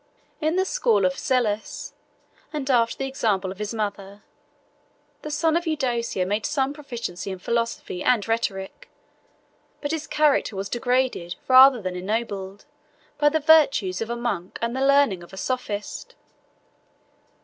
In the school of Psellus, and after the example of his mother, the son of Eudocia made some proficiency in philosophy and rhetoric; but his character was degraded, rather than ennobled, by the virtues of a monk and the learning of a sophist.